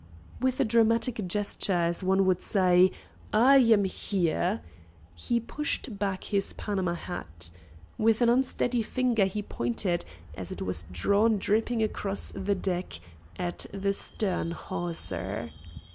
With a dramatic gesture, as one would say, "I am here!" he pushed back his Panama hat. With an unsteady finger he pointed, as it was drawn dripping across the deck, at the stern hawser.